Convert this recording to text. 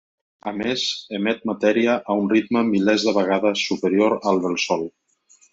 A més, emet matèria a un ritme milers de vegades superior al del Sol.